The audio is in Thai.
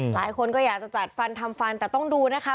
หลายคนก็อยากจะจัดฟันทำฟันแต่ต้องดูนะคะ